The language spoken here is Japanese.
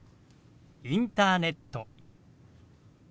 「インターネット」。